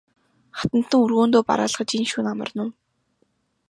Хатантан өргөөндөө бараалхаж энэ шөнө амарна уу?